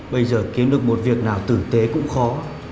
bây giờ kiếm được một việc nào tử tế cũng khó